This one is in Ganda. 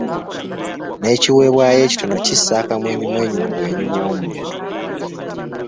N'ekiweebwayo ekitono kissa akamwenyumwenyu mu bwenyi bw'omuntu.